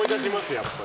やっぱり。